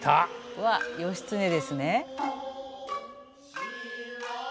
うわっ義経ですね。